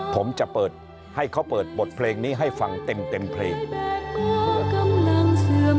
ผมจะเปิดให้เขาเปิดบทเพลงนี้ให้ฟังเต็มเพลง